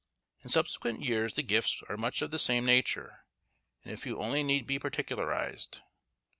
In subsequent years the gifts are much of the same nature, and a few only need be particularised.